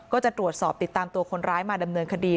ก็จะตรวจสอบติดตามตัวคนร้ายมาดำเนินคดี